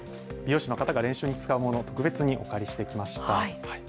美容師の方が練習に使うものを特別にお借りしてきました。